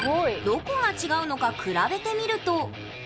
どこが違うのか比べてみると。